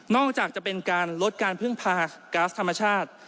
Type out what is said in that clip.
อกจากจะเป็นการลดการพึ่งพาก๊าซธรรมชาติ